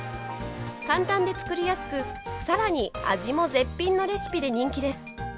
簡単で作りやすくさらに味も絶品のレシピで人気です。